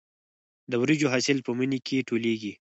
د وریجو حاصل په مني کې ټولېږي.